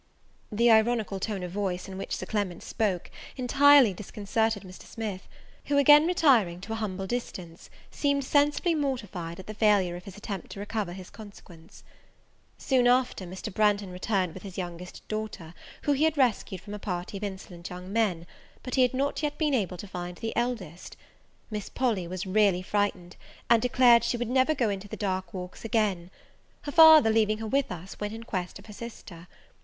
The ironical tone of voice in which Sir Clement spoke entirely disconcerted Mr. Smith; who again retiring to an humble distance, seemed sensibly mortified at the failure of his attempt to recover his consequence. Soon after, Mr. Branghton returned with his youngest daughter, who he had rescued from a party of insolent young men; but he had not yet been able to find the eldest. Miss Polly was really frightened, and declared she would never go into the dark walks again. Her father, leaving her with us, went in quest of her sister.